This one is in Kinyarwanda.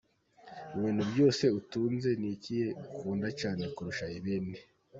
com : Mu bintu byose utunze, ni ikihe ukunda cyane kurusha ibindi ?.